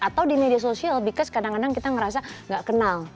atau di media sosial because kadang kadang kita ngerasa gak kenal